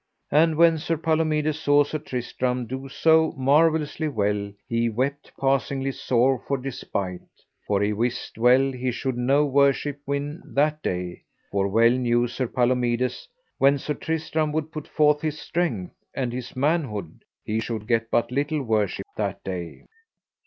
And when Sir Palomides saw Sir Tristram do so marvellously well he wept passingly sore for despite, for he wist well he should no worship win that day; for well knew Sir Palomides, when Sir Tristram would put forth his strength and his manhood, be should get but little worship that day.